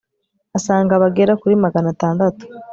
asanga bagera kuri magana atandatu